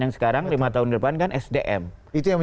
yang sekarang lima tahun depan kan sdm